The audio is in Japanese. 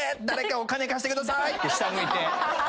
誰かお金貸してくださいって。